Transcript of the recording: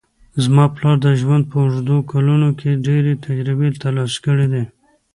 زما پلار د ژوند په اوږدو کلونو کې ډېرې تجربې ترلاسه کړې دي